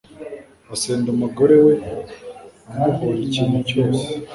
asenda umugore we amuhora ikintu cyose